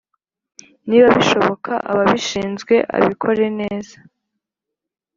Niba bishoboka ababishinzwe abikore neza